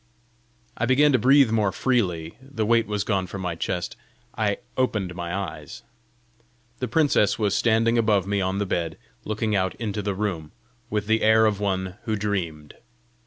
I began to breathe more freely; the weight was gone from my chest; I opened my eyes. The princess was standing above me on the bed, looking out into the room, with the air of one who dreamed.